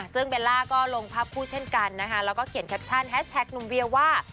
ซึ่งเบลล่าก็ลงภาพคู่เช่นกันนะคะแล้วก็เขียนแคปชั่นแฮชแท็กหนุ่มเวียว่า